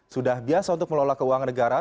sudah biasa untuk melola keuangan negara